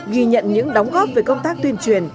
ghi nhận những đóng góp về công tác tuyên truyền